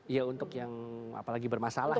iya untuk yang apalagi bermasalah ya